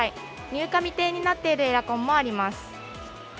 入荷未定になっているエアコンもあります。